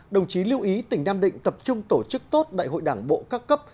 đồng chí lưu ý tỉnh nam định tập trung tổ chức tốt đại hội đảng bộ các cấp